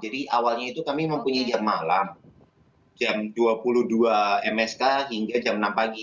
jadi awalnya itu kami mempunyai jam malam jam dua puluh dua msk hingga jam enam pagi